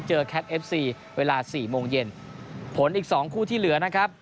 แคทเอฟซีเวลาสี่โมงเย็นผลอีกสองคู่ที่เหลือนะครับ